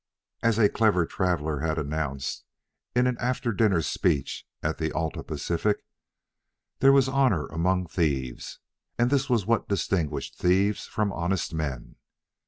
As a clever traveler had announced in an after dinner speech at the Alta Pacific, "There was honor amongst thieves, and this was what distinguished thieves from honest men."